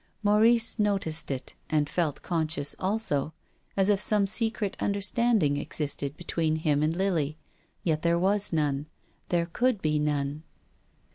Maurice noticed it and felt conscious also, as if some secret under standing existed between him and Lily, yet there was none, there could be none.